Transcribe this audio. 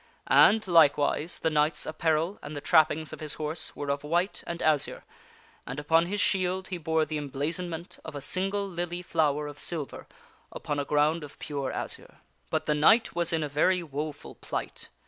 And, likewise, the knight's apparel and the trappings of his horse were of white and azure, and upon his shield he bore the emblazonment of a single lily flower of silver upon a ground of pure azure. But the knight was in a very woful plight.